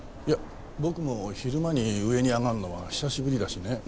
いや僕も昼間に上に上がるのは久しぶりだしね。